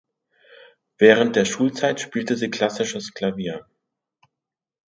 Während der Schulzeit spielte sie klassisches Klavier.